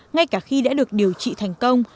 ngay cả khi đã được điều trị thành công